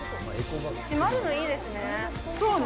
閉まるのいいですね。